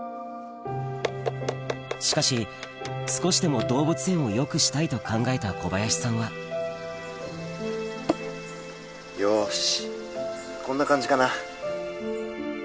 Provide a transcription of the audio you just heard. しかし少しでも動物園をよくしたいと考えた小林さんはよしこんな感じかな。